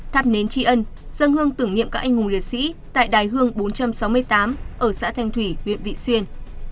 thắp nến tri ân dân hương tưởng niệm các anh hùng liệt sĩ tại đài hương bốn trăm sáu mươi tám ở xã thanh thủy huyện vị xuyên